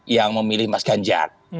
yang memilih mas ganjar